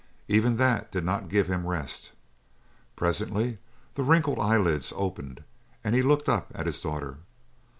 Even that did not give him rest; and presently the wrinkled eyelids opened and he looked up at his daughter.